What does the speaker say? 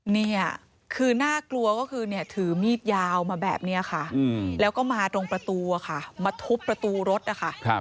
นี่คือน่ากลัวก็คือถือมีดยาวมาแบบนี้ค่ะแล้วก็มาตรงประตูมาทุบประตูรถนะคะ